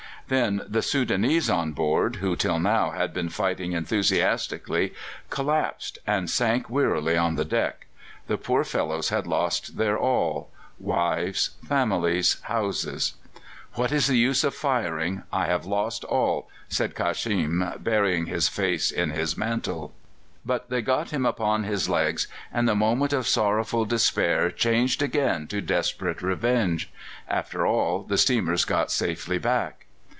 Then the Soudanese on board, who till now had been fighting enthusiastically, collapsed and sank wearily on the deck. The poor fellows had lost their all wives, families, houses! "What is the use of firing? I have lost all," said Khashm, burying his face in his mantle. But they got him upon his legs, and the moment of sorrowful despair changed again to desperate revenge. After all the steamers got safely back.